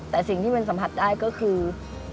แต่สิ่งที่มันสัมผัสได้ก็คือ